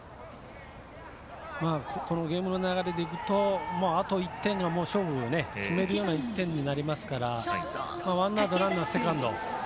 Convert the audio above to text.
このゲームの流れで言うとあと１点は勝負を決めるような１点になりますからワンアウト、ランナー、セカンド。